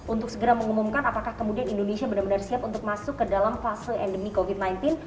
untuk segera mengumumkan apakah kemudian indonesia benar benar siap untuk masuk ke dalam fase endemi covid sembilan belas